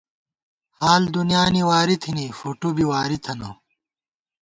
حال دُنیانی واری تھنی، فوٹو بی واری تھنہ